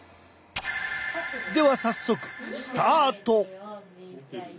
では早速スタート！